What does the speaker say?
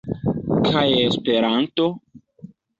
Kaj Esperanto?